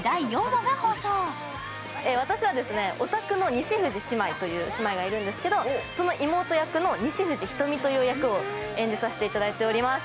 話はオタクの西藤姉妹という姉妹がいるんですけれども、その妹役の西藤仁美という役を演じさせていただいております。